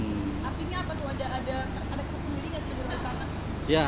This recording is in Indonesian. artinya apa tuh ada kesan sendiri gak sih